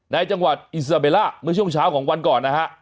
ในจังหวัดอิซาเบล่าเมื่อช่วงเช้าของวันก่อนนะฮะ